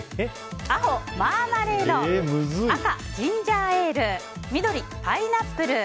青、マーマレード赤、ジンジャーエール緑、パイナップル。